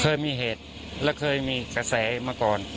เคยมีเหตุและเคยมีกระแสมาก่อน